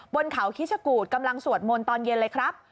บนเขาคิชกูธกำลังสวดมนต์ตอนเย็นเลยครับ